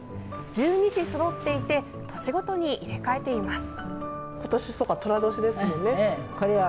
十二支そろっていて年ごとに入れ替えています。